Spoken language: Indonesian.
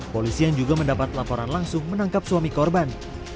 polisi yang juga mendapat laporan langsung menangkap suami korban